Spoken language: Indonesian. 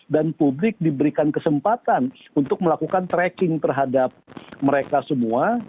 dan publik diberikan kesempatan untuk melakukan tracking terhadap mereka semua